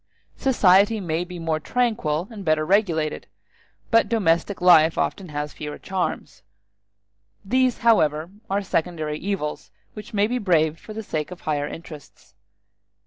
Society may be more tranquil and better regulated, but domestic life has often fewer charms. These, however, are secondary evils, which may be braved for the sake of higher interests.